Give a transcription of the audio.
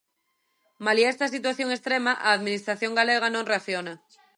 Malia esta situación extrema a Administración galega non reacciona.